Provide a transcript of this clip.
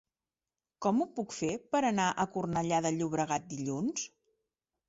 Com ho puc fer per anar a Cornellà de Llobregat dilluns?